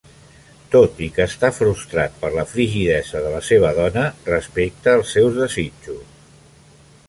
Tot i que està frustrat per la frigidesa de la seva dona, respecta els seus desitjos.